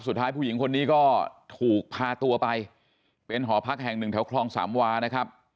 สุดท้ายผู้หญิงคนนี้ก็ถูกพาตัวไปเป็นหอพักแห่งหนึ่งแถวคลองสามวานะครับ